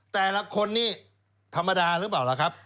แต่ละคนนี้ธรรมดาหรือเปล่าล่ะครับ